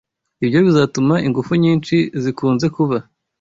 Ibyo bizatuma ingufu nyinshi zikunze kuba